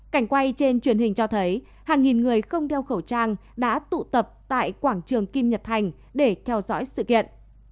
cảnh quay trên truyền hình cho thấy hàng nghìn người không đeo khẩu trang đã tụ tập tại quảng trường kim nhật thành để theo dõi sự kiện